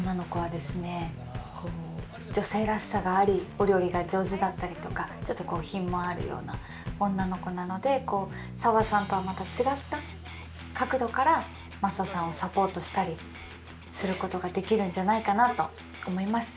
女性らしさがありお料理が上手だったりとかちょっとこう品もあるような女の子なので沙和さんとはまた違った角度からマサさんをサポートしたりすることができるんじゃないかなと思います。